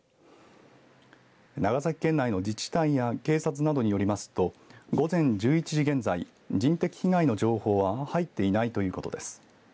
長崎県内の自治体や警察などによりますと午前１１時現在人的被害の情報は入っていないということです。